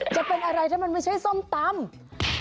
จะเป็นอะไรถ้ามันไม่ใช่ส้มตำ